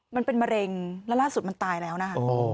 มันเป็นมะเร็งแล้วล่าสุดมันตายแล้วนะคะ